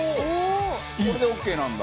これでオーケーなんだ。